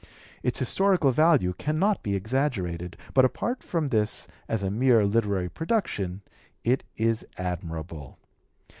Its historical value cannot be exaggerated, but apart from this as a mere literary production it is admirable.